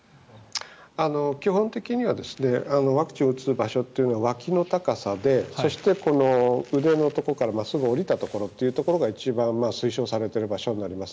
基本的にはワクチンを打つ場所はわきの高さでそして、腕のところから真っすぐ下りたところが一番推奨されている場所になります。